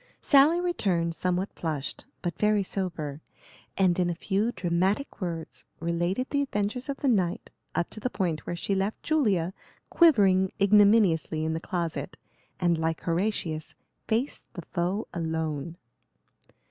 Sally returned somewhat flushed, but very sober, and in a few dramatic words related the adventures of the night, up to the point where she left Julia quivering ignominiously in the closet, and, like Horatius, faced the foe alone.